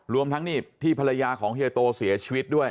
รวมทั้งนี่ที่ภรรยาของเฮียโตเสียชีวิตด้วย